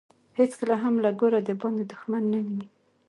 هیڅکله هم له کوره دباندې دښمن نه وينو.